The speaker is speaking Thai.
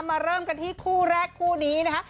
เริ่มกันที่คู่แรกคู่นี้นะคะ